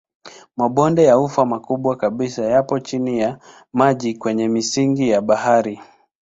Mabonde ya ufa makubwa kabisa yapo chini ya maji kwenye misingi ya bahari.